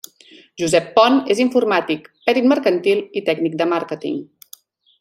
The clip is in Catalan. Josep Pont és informàtic, Perit mercantil i tècnic de màrqueting.